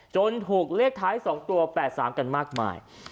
ถูกเลขท้าย๒ตัว๘๓กันมากมาย